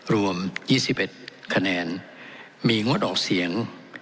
รวมยี่สิบเอ็ดคะแนนมีงดออกเสียง